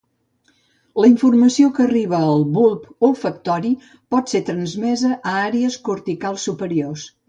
La informació que arriba al bulb olfactori pot ser transmesa a àrees corticals superiors